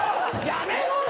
やめろよ！